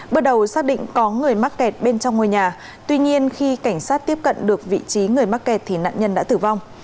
bước đầu xác định có người mắc kẹt bên trong ngôi nhà tuy nhiên khi cảnh sát tiếp cận được vị trí người mắc kẹt thì nạn nhân đã tử vong